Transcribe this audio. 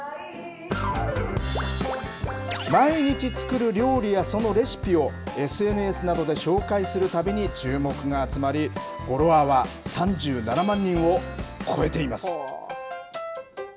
毎日作る料理やそのレシピをＳＮＳなどで紹介するたびに注目が集まり、フォロワーは３７万人を超えています。